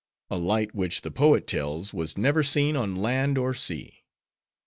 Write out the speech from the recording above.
A light which the poet tells was never seen on land or sea.